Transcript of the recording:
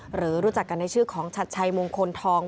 หรือรู้จักกันในชื่อของชัดชัยมงคลทอง